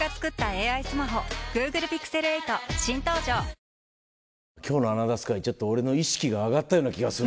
明日が待ち遠しい今日の『アナザースカイ』ちょっと俺の意識が上がったような気がするな。